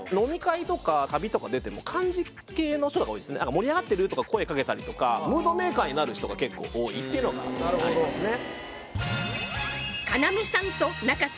「盛り上がってる？」とか声かけたりとかになる人が結構多いっていうのがありますね